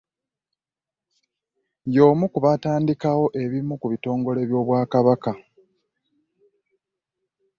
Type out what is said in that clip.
Y'omu ku baatandikawo ebimu ku bitongole by'Obwakabaka.